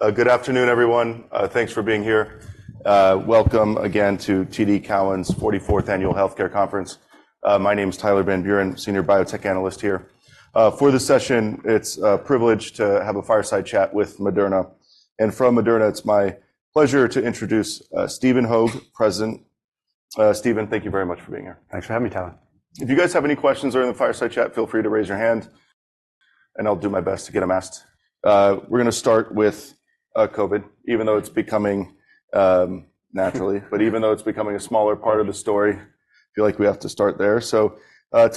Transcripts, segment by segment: Good afternoon, everyone. Thanks for being here. Welcome again to TD Cowen's 44th Annual Healthcare Conference. My name is Tyler Van Buren, Senior Biotech Analyst here. For this session, it's a privilege to have a fireside chat with Moderna. And from Moderna, it's my pleasure to introduce Stephen Hoge, President. Stephen, thank you very much for being here. Thanks for having me, Tyler. If you guys have any questions during the fireside chat, feel free to raise your hand. I'll do my best to get them asked. We're going to start with COVID, even though it's becoming a smaller part of the story, I feel like we have to start there. To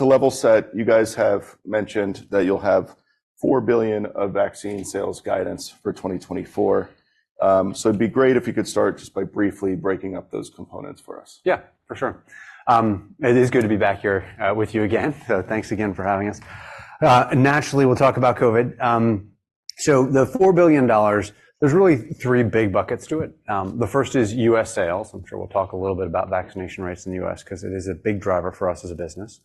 level set, you guys have mentioned that you'll have $4 billion of vaccine sales guidance for 2024. It'd be great if you could start just by briefly breaking up those components for us. Yeah, for sure. It is good to be back here with you again. So thanks again for having us. Naturally, we'll talk about COVID. So the $4 billion, there's really three big buckets to it. The first is U.S. sales. I'm sure we'll talk a little bit about vaccination rates in the U.S. because it is a big driver for us as a business.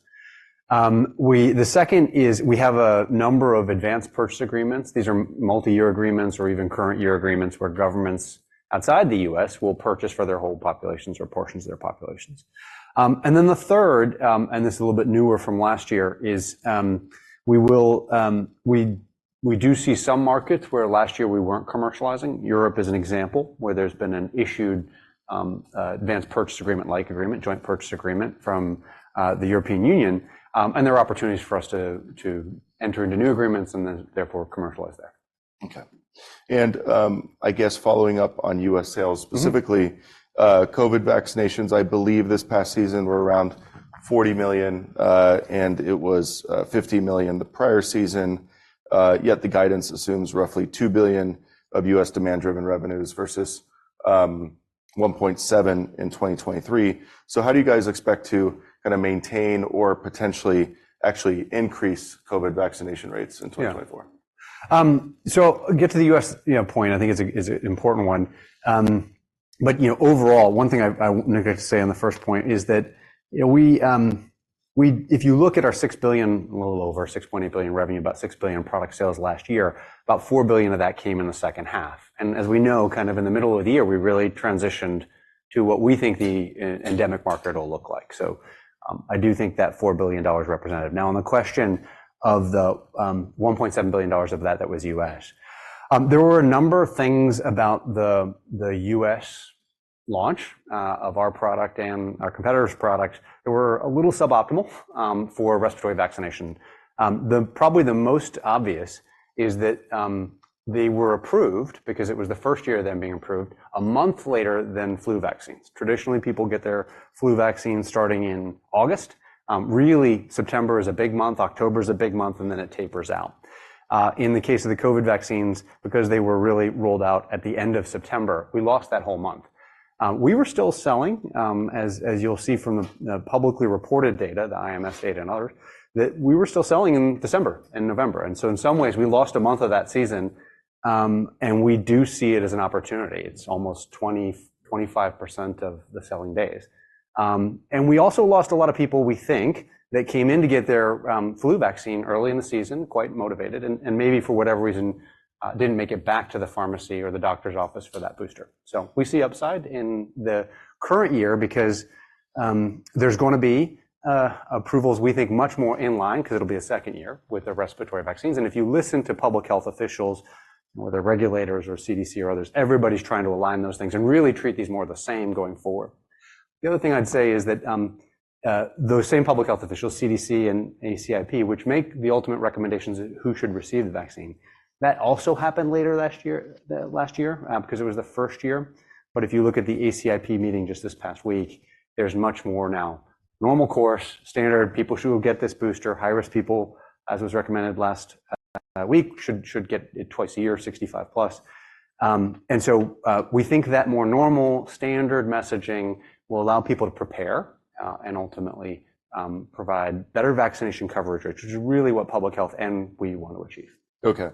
The second is we have a number of advanced purchase agreements. These are multi-year agreements or even current-year agreements where governments outside the U.S. will purchase for their whole populations or portions of their populations. And then the third, and this is a little bit newer from last year, is we do see some markets where last year we weren't commercializing. Europe is an example where there's been an issued advanced purchase agreement-like agreement, joint purchase agreement from the European Union. There are opportunities for us to enter into new agreements and then therefore commercialize there. Okay. And I guess following up on U.S. sales specifically, COVID vaccinations, I believe this past season were around 40 million and it was 50 million the prior season. Yet the guidance assumes roughly $2 billion of U.S. demand-driven revenues versus $1.7 billion in 2023. So how do you guys expect to kind of maintain or potentially actually increase COVID vaccination rates in 2024? Yeah. So, get to the U.S. point. I think it's an important one. But overall, one thing I want to say on the first point is that if you look at our $6 billion, a little over, $6.8 billion revenue, about $6 billion product sales last year, about $4 billion of that came in the second half. And as we know, kind of in the middle of the year, we really transitioned to what we think the endemic market will look like. So I do think that $4 billion representative. Now, on the question of the $1.7 billion of that, that was U.S. There were a number of things about the U.S. launch of our product and our competitors' products that were a little suboptimal for respiratory vaccination. Probably the most obvious is that they were approved because it was the first year of them being approved a month later than flu vaccines. Traditionally, people get their flu vaccines starting in August. Really, September is a big month. October is a big month, and then it tapers out. In the case of the COVID vaccines, because they were really rolled out at the end of September, we lost that whole month. We were still selling, as you'll see from the publicly reported data, the IMS data and others, that we were still selling in December and November. And so in some ways, we lost a month of that season. And we do see it as an opportunity. It's almost 20%-25% of the selling days. And we also lost a lot of people, we think, that came in to get their flu vaccine early in the season, quite motivated, and maybe for whatever reason, didn't make it back to the pharmacy or the doctor's office for that booster. So we see upside in the current year because there's going to be approvals, we think, much more in line because it'll be a second year with the respiratory vaccines. And if you listen to public health officials, whether regulators or CDC or others, everybody's trying to align those things and really treat these more the same going forward. The other thing I'd say is that those same public health officials, CDC and ACIP, which make the ultimate recommendations of who should receive the vaccine, that also happened later last year because it was the first year. But if you look at the ACIP meeting just this past week, there's much more now. Normal course, standard, people who will get this booster, high-risk people, as was recommended last week, should get it twice a year, 65+. And so we think that more normal, standard messaging will allow people to prepare and ultimately provide better vaccination coverage, which is really what public health and we want to achieve. Okay.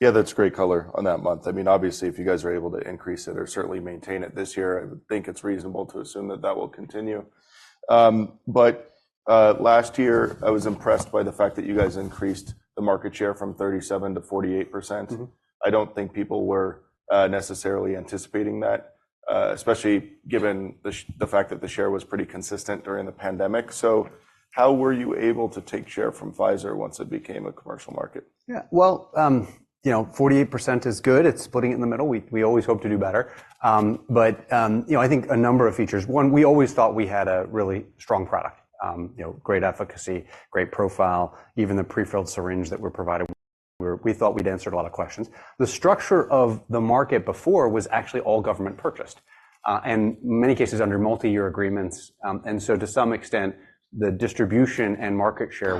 Yeah, that's great color on that month. I mean, obviously, if you guys are able to increase it or certainly maintain it this year, I think it's reasonable to assume that that will continue. But last year, I was impressed by the fact that you guys increased the market share from 37%-48%. I don't think people were necessarily anticipating that, especially given the fact that the share was pretty consistent during the pandemic. So how were you able to take share from Pfizer once it became a commercial market? Yeah, well, 48% is good. It's putting it in the middle. We always hope to do better. But I think a number of features. One, we always thought we had a really strong product, great efficacy, great profile, even the prefilled syringe that we're provided. We thought we'd answered a lot of questions. The structure of the market before was actually all government purchased, and in many cases under multi-year agreements. And so to some extent, the distribution and market share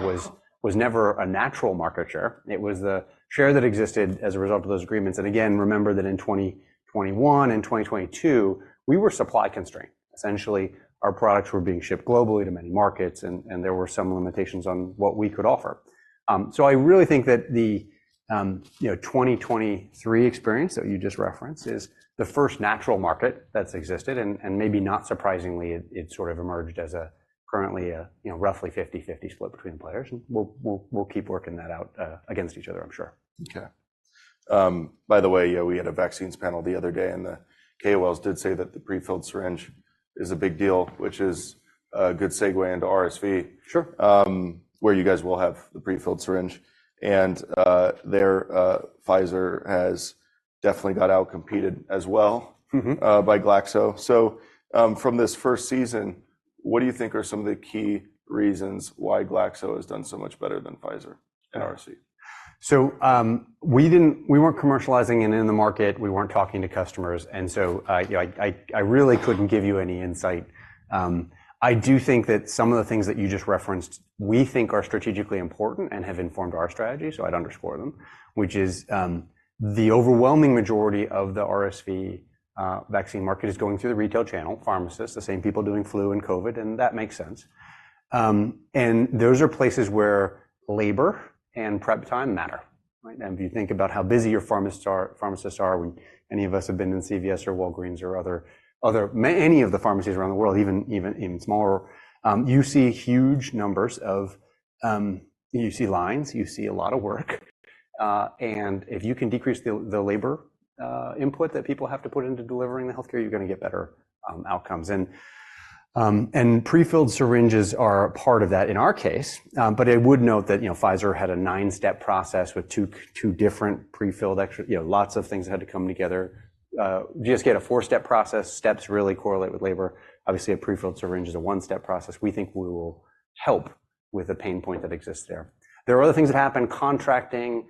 was never a natural market share. It was the share that existed as a result of those agreements. And again, remember that in 2021 and 2022, we were supply constrained. Essentially, our products were being shipped globally to many markets, and there were some limitations on what we could offer. I really think that the 2023 experience that you just referenced is the first natural market that's existed. Maybe not surprisingly, it sort of emerged as currently a roughly 50/50 split between players. We'll keep working that out against each other, I'm sure. Okay. By the way, we had a vaccines panel the other day, and the KOLs did say that the prefilled syringe is a big deal, which is a good segue into RSV, where you guys will have the prefilled syringe. And there, Pfizer has definitely got outcompeted as well by Glaxo. So from this first season, what do you think are some of the key reasons why Glaxo has done so much better than Pfizer and RSV? So we weren't commercializing and in the market, we weren't talking to customers. So I really couldn't give you any insight. I do think that some of the things that you just referenced, we think are strategically important and have informed our strategy. So I'd underscore them, which is the overwhelming majority of the RSV vaccine market is going through the retail channel, pharmacists, the same people doing flu and COVID. And that makes sense. And those are places where labor and prep time matter. And if you think about how busy your pharmacists are, when any of us have been in CVS or Walgreens or any of the pharmacies around the world, even smaller, you see huge numbers of lines, you see a lot of work. If you can decrease the labor input that people have to put into delivering the healthcare, you're going to get better outcomes. Prefilled syringes are part of that in our case. But I would note that Pfizer had a 9-step process with 2 different prefilled lots of things that had to come together. GSK had a 4-step process. Steps really correlate with labor. Obviously, a prefilled syringe is a 1-step process. We think we will help with a pain point that exists there. There are other things that happen, contracting,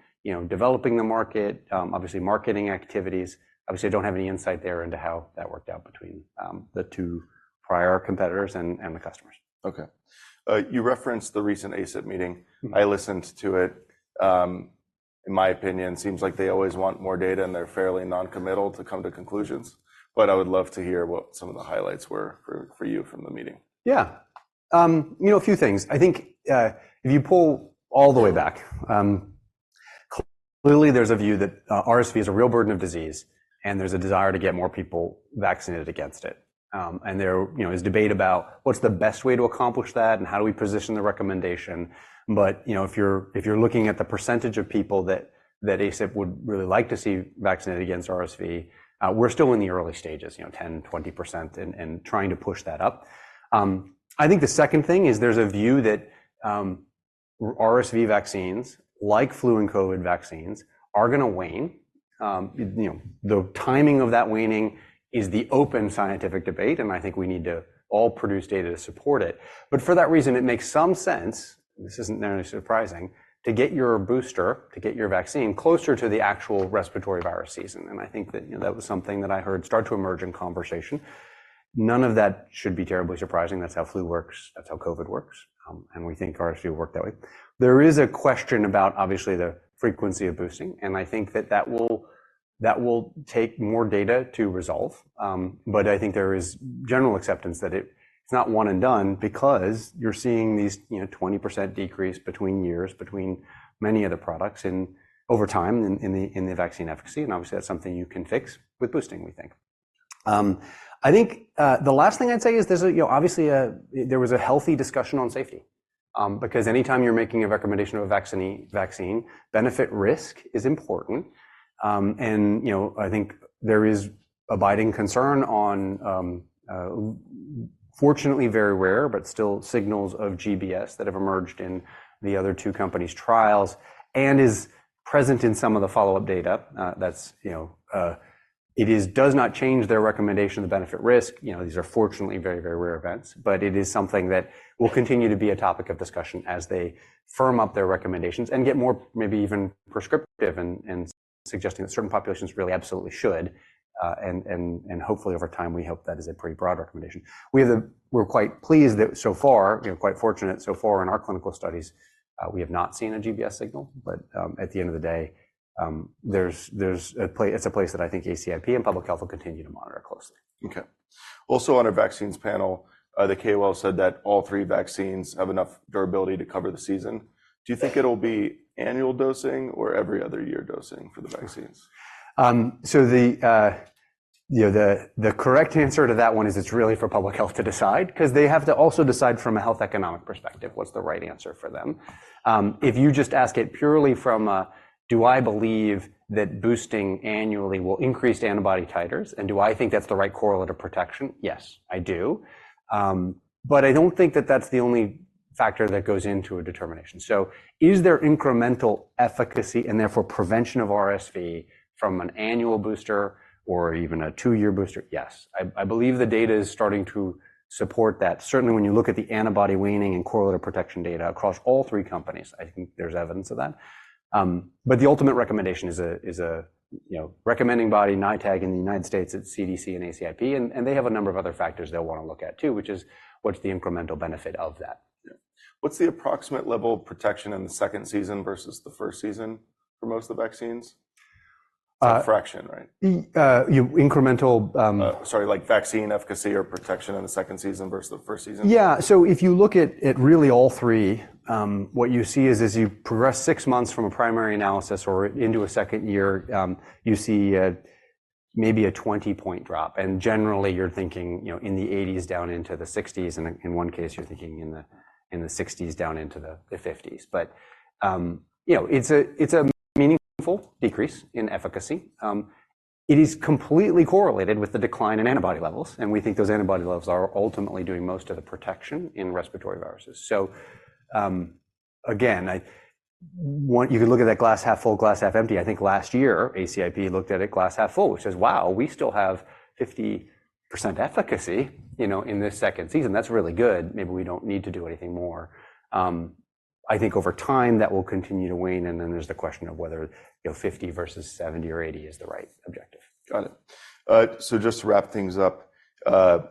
developing the market, obviously marketing activities. Obviously, I don't have any insight there into how that worked out between the two prior competitors and the customers. Okay. You referenced the recent ACIP meeting. I listened to it. In my opinion, it seems like they always want more data and they're fairly noncommittal to come to conclusions. But I would love to hear what some of the highlights were for you from the meeting. Yeah. A few things. I think if you pull all the way back, clearly there's a view that RSV is a real burden of disease, and there's a desire to get more people vaccinated against it. And there is debate about what's the best way to accomplish that and how do we position the recommendation. But if you're looking at the percentage of people that ACIP would really like to see vaccinated against RSV, we're still in the early stages, 10%-20%, and trying to push that up. I think the second thing is there's a view that RSV vaccines, like flu and COVID vaccines, are going to wane. The timing of that waning is the open scientific debate. And I think we need to all produce data to support it. But for that reason, it makes some sense, this isn't nearly surprising, to get your booster, to get your vaccine closer to the actual respiratory virus season. And I think that that was something that I heard start to emerge in conversation. None of that should be terribly surprising. That's how flu works. That's how COVID works. And we think RSV will work that way. There is a question about, obviously, the frequency of boosting. And I think that that will take more data to resolve. But I think there is general acceptance that it's not one and done because you're seeing these 20% decrease between years, between many other products over time in the vaccine efficacy. And obviously, that's something you can fix with boosting, we think. I think the last thing I'd say is there's obviously a healthy discussion on safety. Because anytime you're making a recommendation of a vaccine, benefit-risk is important. And I think there is abiding concern on, fortunately, very rare, but still signals of GBS that have emerged in the other two companies' trials and is present in some of the follow-up data. It does not change their recommendation of the benefit-risk. These are fortunately very, very rare events. But it is something that will continue to be a topic of discussion as they firm up their recommendations and get more, maybe even prescriptive and suggesting that certain populations really absolutely should. And hopefully, over time, we hope that is a pretty broad recommendation. We're quite pleased that so far, quite fortunate so far in our clinical studies, we have not seen a GBS signal. But at the end of the day, it's a place that I think ACIP and public health will continue to monitor closely. Okay. Also on our vaccines panel, the KOL said that all three vaccines have enough durability to cover the season. Do you think it'll be annual dosing or every other year dosing for the vaccines? So the correct answer to that one is it's really for public health to decide because they have to also decide from a health economic perspective, what's the right answer for them. If you just ask it purely from, do I believe that boosting annually will increase antibody titers? And do I think that's the right correlative protection? Yes, I do. But I don't think that that's the only factor that goes into a determination. So is there incremental efficacy and therefore prevention of RSV from an annual booster or even a two-year booster? Yes. I believe the data is starting to support that. Certainly, when you look at the antibody waning and correlative protection data across all three companies, I think there's evidence of that. But the ultimate recommendation is a recommending body, NITAG in the United States, at CDC and ACIP. They have a number of other factors they'll want to look at too, which is, what's the incremental benefit of that? Yeah. What's the approximate level of protection in the second season versus the first season for most of the vaccines? It's a fraction, right? Incremental. Sorry, like vaccine efficacy or protection in the second season versus the first season? Yeah. So if you look at really all three, what you see is as you progress six months from a primary analysis or into a second year, you see maybe a 20-point drop. Generally, you're thinking in the 80s down into the 60s. In one case, you're thinking in the 60s down into the 50s. But it's a meaningful decrease in efficacy. It is completely correlated with the decline in antibody levels. We think those antibody levels are ultimately doing most of the protection in respiratory viruses. Again, you can look at that glass half full, glass half empty. I think last year, ACIP looked at it glass half full, which says, wow, we still have 50% efficacy in this second season. That's really good. Maybe we don't need to do anything more. I think over time, that will continue to wane. And then there's the question of whether 50 versus 70 or 80 is the right objective. Got it. So just to wrap things up,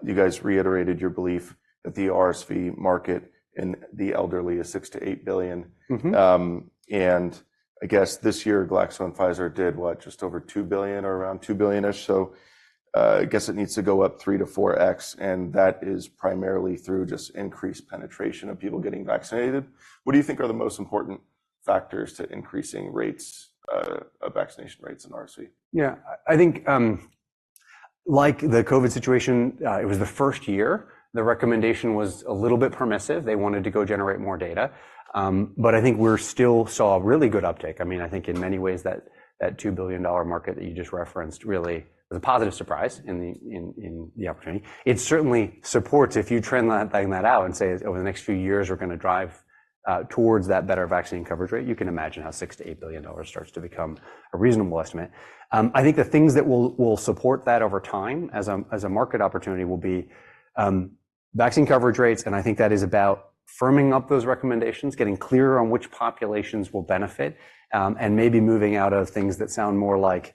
you guys reiterated your belief that the RSV market in the elderly is $6 billion-$8 billion. And I guess this year, Glaxo and Pfizer did what, just over $2 billion or around $2 billion-ish? So I guess it needs to go up 3x-4x. And that is primarily through just increased penetration of people getting vaccinated. What do you think are the most important factors to increasing vaccination rates in RSV? Yeah. I think like the COVID situation, it was the first year. The recommendation was a little bit permissive. They wanted to go generate more data. But I think we still saw a really good uptake. I mean, I think in many ways, that $2 billion market that you just referenced really was a positive surprise in the opportunity. It certainly supports if you trend that thing out and say over the next few years, we're going to drive towards that better vaccine coverage rate, you can imagine how $6 billion-$8 billion starts to become a reasonable estimate. I think the things that will support that over time as a market opportunity will be vaccine coverage rates. And I think that is about firming up those recommendations, getting clearer on which populations will benefit, and maybe moving out of things that sound more like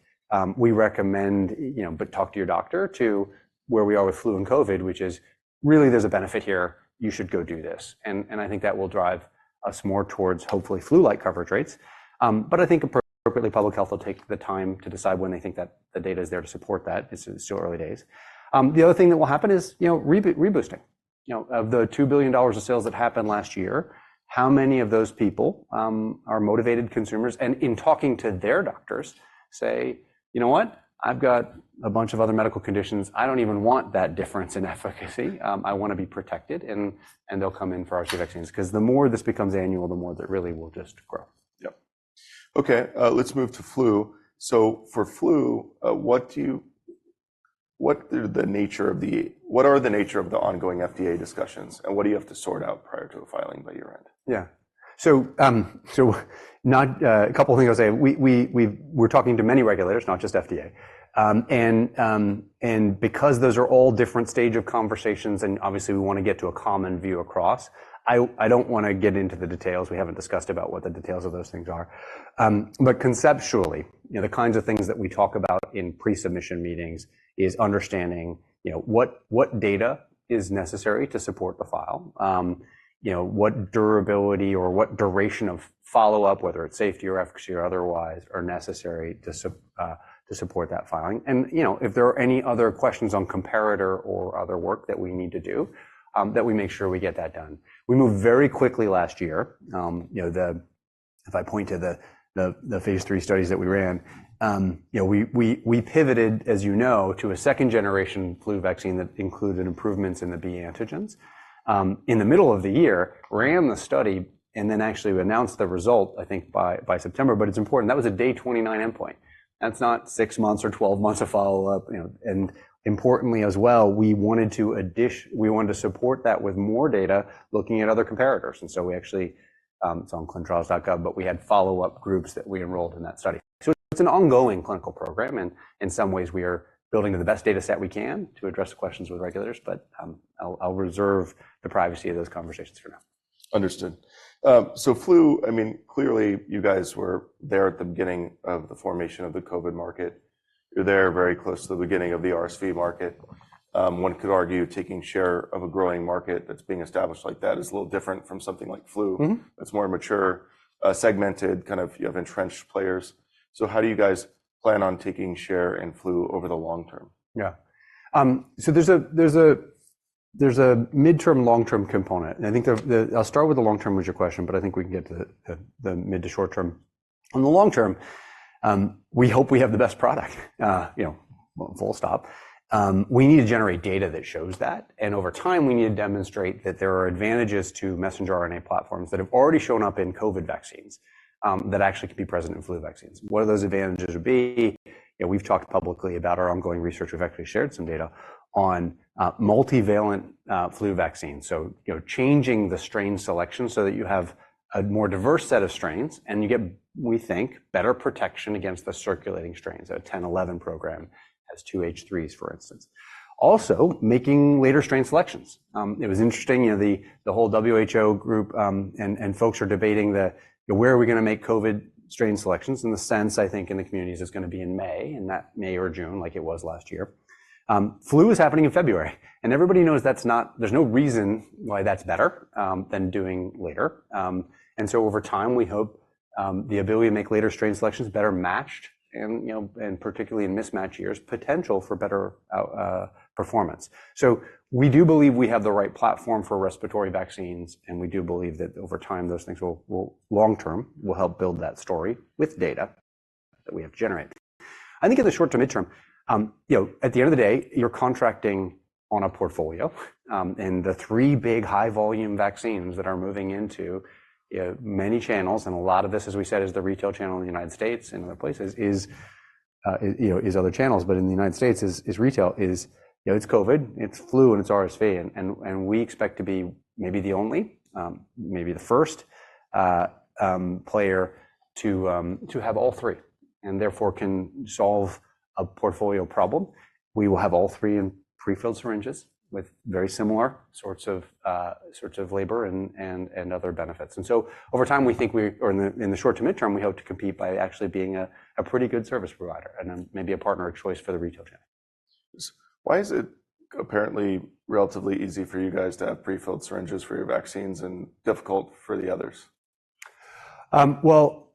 we recommend, but talk to your doctor, to where we are with flu and COVID, which is really there's a benefit here. You should go do this. And I think that will drive us more towards hopefully flu-like coverage rates. But I think appropriately, public health will take the time to decide when they think that the data is there to support that. It's still early days. The other thing that will happen is reboosting. Of the $2 billion of sales that happened last year, how many of those people are motivated consumers? And in talking to their doctors, say, you know what, I've got a bunch of other medical conditions. I don't even want that difference in efficacy. I want to be protected. They'll come in for RSV vaccines. Because the more this becomes annual, the more that really will just grow. Yep. Okay. Let's move to flu. So for flu, what is the nature of the ongoing FDA discussions? And what do you have to sort out prior to a filing by your end? Yeah. So a couple of things I'll say. We're talking to many regulators, not just FDA. And because those are all different stage of conversations, and obviously, we want to get to a common view across, I don't want to get into the details. We haven't discussed about what the details of those things are. But conceptually, the kinds of things that we talk about in pre-submission meetings is understanding what data is necessary to support the file, what durability or what duration of follow-up, whether it's safety or efficacy or otherwise, are necessary to support that filing. And if there are any other questions on comparator or other work that we need to do, that we make sure we get that done. We moved very quickly last year. If I point to the phase III studies that we ran, we pivoted, as you know, to a second-generation flu vaccine that included improvements in the B antigens. In the middle of the year, ran the study, and then actually announced the result, I think, by September. But it's important. That was a day 29 endpoint. That's not six months or 12 months of follow-up. And importantly as well, we wanted to support that with more data looking at other comparators. And so we actually—it's on clinicaltrials.gov, but we had follow-up groups that we enrolled in that study. So it's an ongoing clinical program. And in some ways, we are building the best data set we can to address the questions with regulators. But I'll reserve the privacy of those conversations for now. Understood. So flu, I mean, clearly, you guys were there at the beginning of the formation of the COVID market. You're there very close to the beginning of the RSV market. One could argue taking share of a growing market that's being established like that is a little different from something like flu. It's more mature, segmented, kind of entrenched players. So how do you guys plan on taking share in flu over the long term? Yeah. So there's a mid-term, long-term component. And I think I'll start with the long term was your question, but I think we can get to the mid- to short-term. On the long term, we hope we have the best product, full stop. We need to generate data that shows that. And over time, we need to demonstrate that there are advantages to messenger RNA platforms that have already shown up in COVID vaccines that actually can be present in flu vaccines. What are those advantages would be? We've talked publicly about our ongoing research. We've actually shared some data on multivalent flu vaccines. So changing the strain selection so that you have a more diverse set of strains, and you get, we think, better protection against the circulating strains. A 1011 program has 2 H3s, for instance. Also, making later strain selections. It was interesting. The whole WHO group and folks are debating where we are going to make COVID strain selections in the sense, I think, in the communities is going to be in May, and that May or June, like it was last year. Flu is happening in February. And everybody knows there's no reason why that's better than doing later. And so over time, we hope the ability to make later strain selections better matched, and particularly in mismatch years, potential for better performance. So we do believe we have the right platform for respiratory vaccines. And we do believe that over time, those things will long term will help build that story with data that we have generated. I think in the short to mid term, at the end of the day, you're contracting on a portfolio. The three big high-volume vaccines that are moving into many channels, and a lot of this, as we said, is the retail channel in the United States and other places, is other channels. But in the United States, retail is, it's COVID, it's flu, and it's RSV. We expect to be maybe the only, maybe the first player to have all three, and therefore can solve a portfolio problem. We will have all three in prefilled syringes with very similar sorts of labor and other benefits. Over time, we think, or in the short to mid term, we hope to compete by actually being a pretty good service provider and maybe a partner of choice for the retail chain. Why is it apparently relatively easy for you guys to have prefilled syringes for your vaccines and difficult for the others? Well,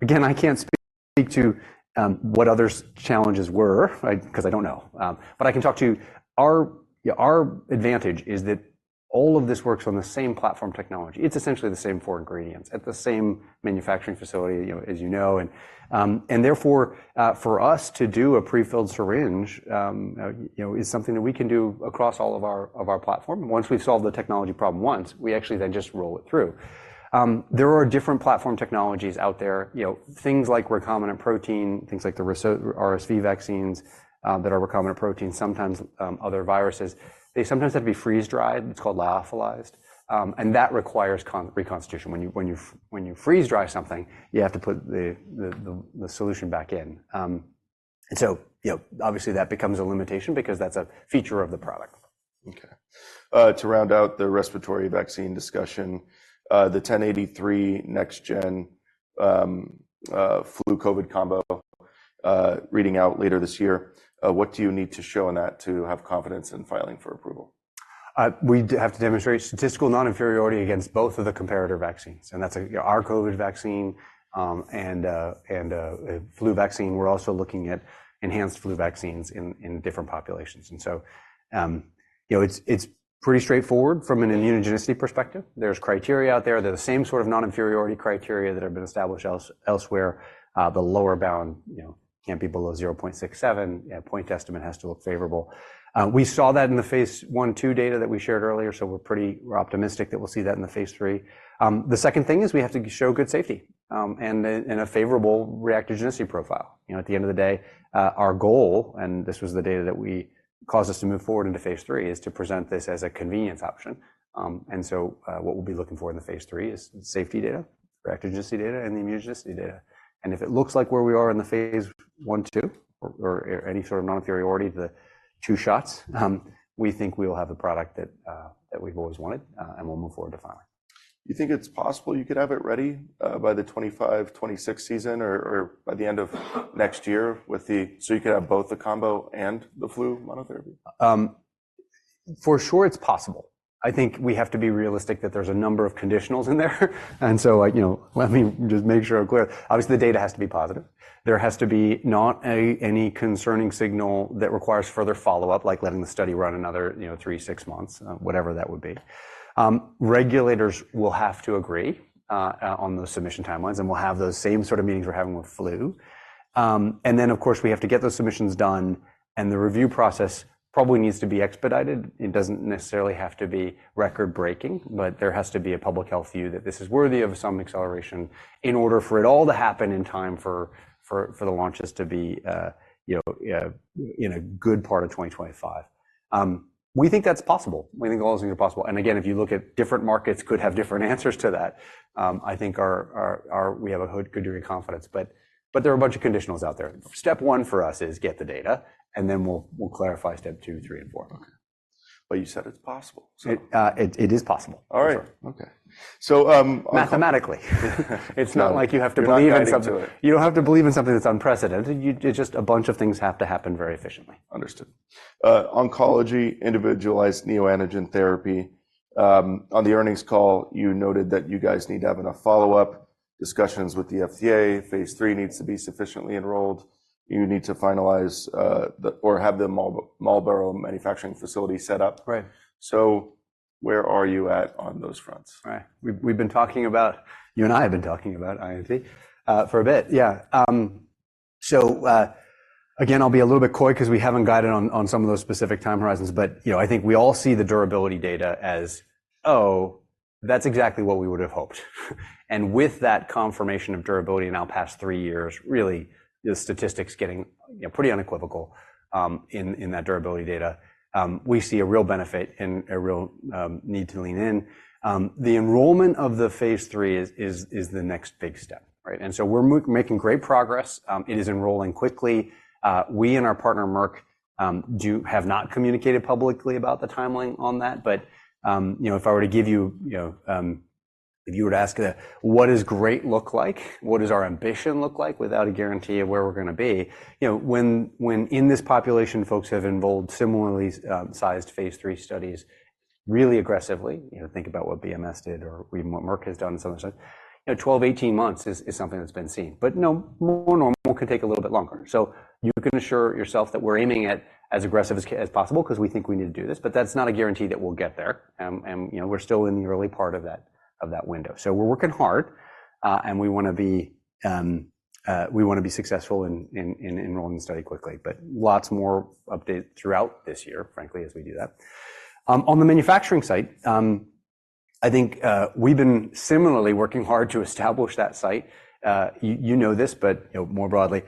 again, I can't speak to what others' challenges were because I don't know. But I can talk to our advantage is that all of this works on the same platform technology. It's essentially the same four ingredients at the same manufacturing facility, as you know. And therefore, for us to do a prefilled syringe is something that we can do across all of our platform. Once we've solved the technology problem once, we actually then just roll it through. There are different platform technologies out there. Things like recombinant protein, things like the RSV vaccines that are recombinant protein, sometimes other viruses, they sometimes have to be freeze-dried. It's called lyophilized. And that requires reconstitution. When you freeze-dry something, you have to put the solution back in. And so obviously, that becomes a limitation because that's a feature of the product. Okay. To round out the respiratory vaccine discussion, the 1083 next-gen flu/COVID combo reading out later this year, what do you need to show in that to have confidence in filing for approval? We have to demonstrate statistical non-inferiority against both of the comparator vaccines. That's our COVID vaccine and flu vaccine. We're also looking at enhanced flu vaccines in different populations. So it's pretty straightforward from an immunogenicity perspective. There's criteria out there. They're the same sort of non-inferiority criteria that have been established elsewhere. The lower bound can't be below 0.67. Point estimate has to look favorable. We saw that in the phase I/2 data that we shared earlier. So we're optimistic that we'll see that in the phase III. The second thing is we have to show good safety and a favorable reactogenicity profile. At the end of the day, our goal, and this was the data that caused us to move forward into phase III, is to present this as a convenience option. So what we'll be looking for in the phase three is safety data, reactogenicity data, and the immunogenicity data. If it looks like where we are in the phase one two or any sort of non-inferiority to the two shots, we think we will have the product that we've always wanted. We'll move forward to filing. You think it's possible you could have it ready by the 25, 26 season, or by the end of next year with the so you could have both the combo and the flu monotherapy? For sure, it's possible. I think we have to be realistic that there's a number of conditionals in there. And so let me just make sure I'm clear. Obviously, the data has to be positive. There has to be not any concerning signal that requires further follow-up, like letting the study run another three, six months, whatever that would be. Regulators will have to agree on the submission timelines. And we'll have those same sort of meetings we're having with flu. And then, of course, we have to get those submissions done. And the review process probably needs to be expedited. It doesn't necessarily have to be record-breaking. But there has to be a public health view that this is worthy of some acceleration in order for it all to happen in time for the launches to be in a good part of 2025. We think that's possible. We think all those things are possible. And again, if you look at different markets could have different answers to that. I think we have a good degree of confidence. But there are a bunch of conditionals out there. Step one for us is get the data. And then we'll clarify step two, three, and four. Okay. But you said it's possible, so. It is possible. All right. Okay. Mathematically. It's not like you have to believe in something. You don't have to believe in something that's unprecedented. It's just a bunch of things have to happen very efficiently. Understood. Oncology, individualized neoantigen therapy. On the earnings call, you noted that you guys need to have enough follow-up discussions with the FDA. phase III needs to be sufficiently enrolled. You need to finalize or have the Marlborough manufacturing facility set up. So where are you at on those fronts? Right. We've been talking about you and I have been talking about INT for a bit. Yeah. So again, I'll be a little bit coy because we haven't got it on some of those specific time horizons. But I think we all see the durability data as, oh, that's exactly what we would have hoped. And with that confirmation of durability and now past three years, really, the statistics getting pretty unequivocal in that durability data, we see a real benefit and a real need to lean in. The enrollment of the phase III is the next big step, right? And so we're making great progress. It is enrolling quickly. We and our partner, Merck, have not communicated publicly about the timeline on that. But if you were to ask what does great look like? What does our ambition look like without a guarantee of where we're going to be? When in this population, folks have enrolled similarly sized phase III studies really aggressively. Think about what BMS did or even what Merck has done and some other stuff. 12, 18 months is something that's been seen. But more normal can take a little bit longer. So you can assure yourself that we're aiming at as aggressive as possible because we think we need to do this. But that's not a guarantee that we'll get there. And we're still in the early part of that window. So we're working hard. And we want to be we want to be successful in enrolling the study quickly. But lots more updates throughout this year, frankly, as we do that. On the manufacturing site, I think we've been similarly working hard to establish that site. You know this, but more broadly,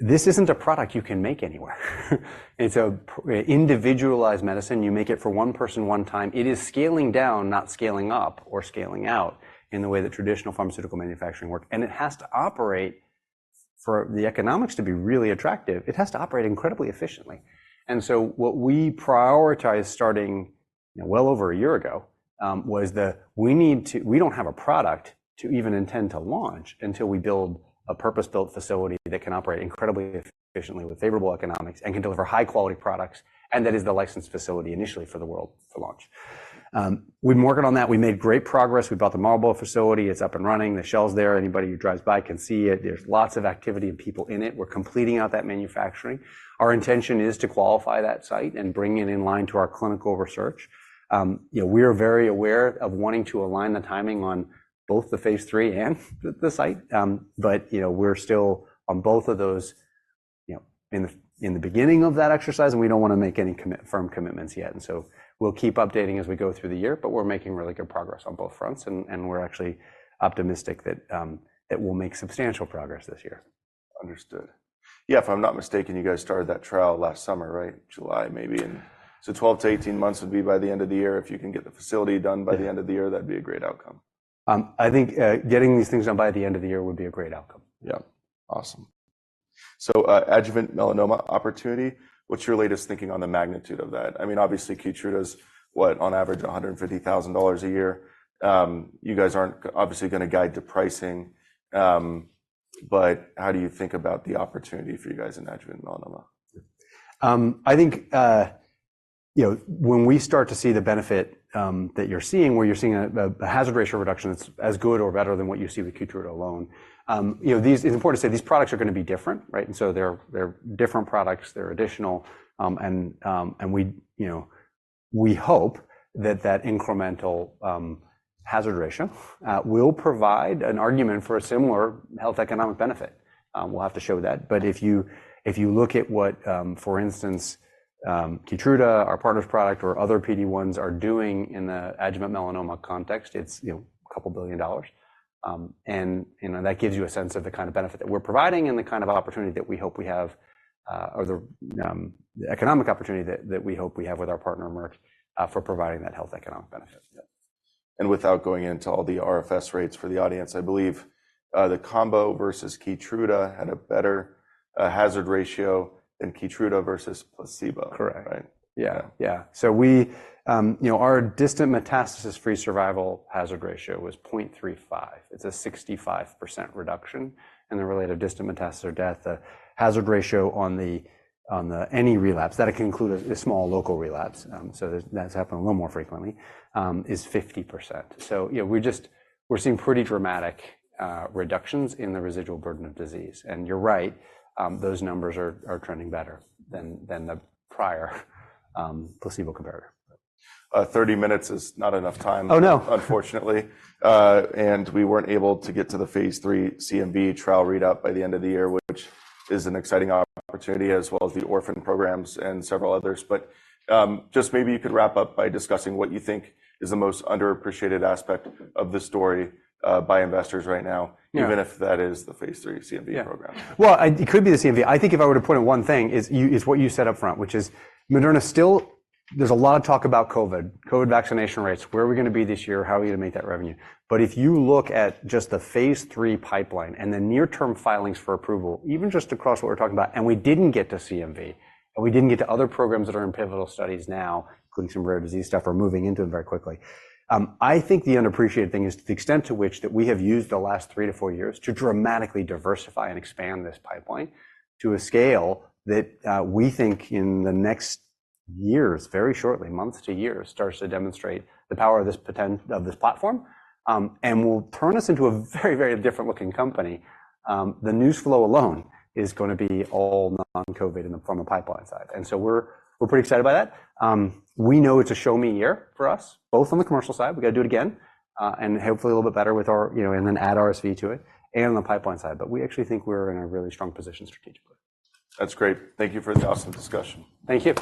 this isn't a product you can make anywhere. So individualized medicine, you make it for one person one time. It is scaling down, not scaling up or scaling out in the way that traditional pharmaceutical manufacturing work. And it has to operate for the economics to be really attractive. It has to operate incredibly efficiently. So what we prioritized starting well over a year ago was that we don't have a product to even intend to launch until we build a purpose-built facility that can operate incredibly efficiently with favorable economics and can deliver high-quality products. And that is the licensed facility initially for the world to launch. We've been working on that. We made great progress. We bought the Marlborough facility. It's up and running. The shell's there. Anybody who drives by can see it. There's lots of activity and people in it. We're completing out that manufacturing. Our intention is to qualify that site and bring it in line to our clinical research. We are very aware of wanting to align the timing on both the phase three and the site. But we're still on both of those in the beginning of that exercise. And we don't want to make any firm commitments yet. And so we'll keep updating as we go through the year. But we're making really good progress on both fronts. And we're actually optimistic that we'll make substantial progress this year. Understood. Yeah. If I'm not mistaken, you guys started that trial last summer, right? July, maybe. And so 12-18 months would be by the end of the year. If you can get the facility done by the end of the year, that'd be a great outcome. I think getting these things done by the end of the year would be a great outcome. Yeah. Awesome. So Adjuvant Melanoma opportunity, what's your latest thinking on the magnitude of that? I mean, obviously, Keytruda's, what, on average, $150,000 a year. You guys aren't obviously going to guide the pricing. But how do you think about the opportunity for you guys in Adjuvant Melanoma? I think when we start to see the benefit that you're seeing, where you're seeing a hazard ratio reduction that's as good or better than what you see with Keytruda alone, it's important to say these products are going to be different, right? And so they're different products. They're additional. And we hope that that incremental hazard ratio will provide an argument for a similar health economic benefit. We'll have to show that. But if you look at what, for instance, Keytruda, our partner's product, or other PD ones are doing in the adjuvant melanoma context, it's $2 billion. And that gives you a sense of the kind of benefit that we're providing and the kind of opportunity that we hope we have or the economic opportunity that we hope we have with our partner, Merck, for providing that health economic benefit. Without going into all the RFS rates for the audience, I believe the combo versus Keytruda had a better hazard ratio than Keytruda versus placebo, right? Correct. Yeah. Yeah. So our Distant Metastasis-Free Survival hazard ratio was 0.35. It's a 65% reduction. And the related distant metastasis or death, the hazard ratio on any relapse that can include a small local relapse, so that's happening a little more frequently, is 50%. So we're seeing pretty dramatic reductions in the residual burden of disease. And you're right. Those numbers are trending better than the prior placebo comparator. 30 minutes is not enough time, unfortunately. We weren't able to get to the phase three CMV trial readout by the end of the year, which is an exciting opportunity, as well as the orphan programs and several others. Just maybe you could wrap up by discussing what you think is the most underappreciated aspect of the story by investors right now, even if that is the phase three CMV program. Well, it could be the CMV. I think if I were to point out one thing is what you said up front, which is Moderna still there's a lot of talk about COVID, COVID vaccination rates, where are we going to be this year? How are we going to make that revenue? But if you look at just the phase III pipeline and the near-term filings for approval, even just across what we're talking about, and we didn't get to CMV, and we didn't get to other programs that are in pivotal studies now, including some rare disease stuff, we're moving into them very quickly. I think the underappreciated thing is to the extent to which that we have used the last 3 to 4 years to dramatically diversify and expand this pipeline to a scale that we think in the next years, very shortly, months to years, starts to demonstrate the power of this platform. And we'll turn us into a very, very different-looking company. The news flow alone is going to be all non-COVID in the pharma pipeline side. And so we're pretty excited by that. We know it's a show-me year for us, both on the commercial side. We got to do it again. And hopefully, a little bit better with our and then add RSV to it and on the pipeline side. But we actually think we're in a really strong position strategically. That's great. Thank you for the awesome discussion. Thank you.